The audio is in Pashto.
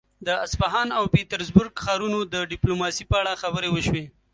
د اصفهان او پيترزبورګ ښارونو د ډيپلوماسي په اړه خبرې وشوې.